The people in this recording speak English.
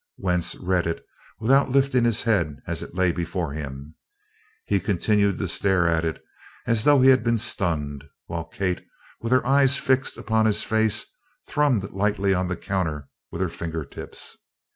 Wentz read it without lifting his head as it lay before him. He continued to stare at it as though he had been stunned, while Kate with her eyes fixed upon his face thrummed lightly on the counter with her finger tips.